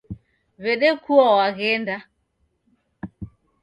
W'edekua waghenda